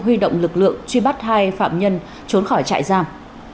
huy động lực lượng truy bắt hai phạm nhân trốn khỏi trại giam